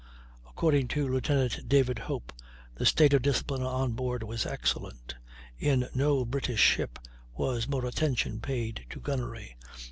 According to Lieut. David Hope, "the state of discipline on board was excellent; in no British ship was more attention paid to gunnery.